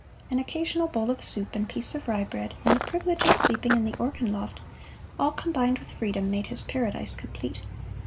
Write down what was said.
An occasional bowl of soup and piece of rye bread, and the privilege of sleeping in the organ loft, all combined with freedom, made his paradise complete.